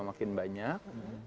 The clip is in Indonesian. dan makanya itu yang paling penting